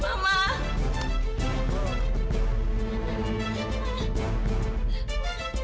mama ada person lagi